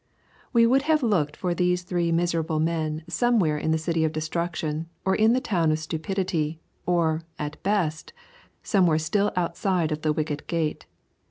We would have looked for those three miserable men somewhere in the City of Destruction or in the Town of Stupidity, or, at best, somewhere still outside of the wicket gate.